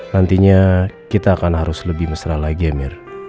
nantinya kita akan harus lebih mesra lagi ya mir